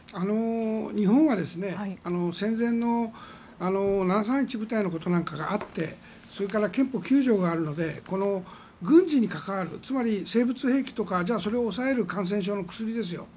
日本が戦前の７３１部隊のことがあってそれから憲法９条があるので軍事に関わるつまり生物兵器とかじゃあそれを抑える感染症の薬ですよ。